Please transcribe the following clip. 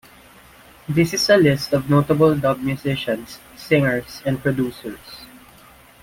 This is a list of notable dub musicians, singers and producers.